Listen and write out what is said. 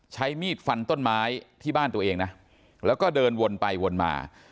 ใช้มีดฟันต้นไม้ที่บ้านตัวเองนะแล้วก็เดินวนไปวนมา